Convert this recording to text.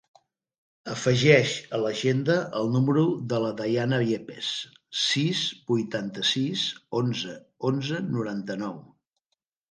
Afegeix a l'agenda el número de la Diana Yepez: sis, vuitanta-sis, onze, onze, noranta-nou.